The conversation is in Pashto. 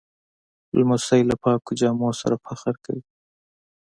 لمسی له پاکو جامو سره فخر کوي.